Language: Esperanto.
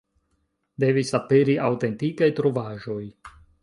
Devis aperi aŭtentikaj trovaĵoj.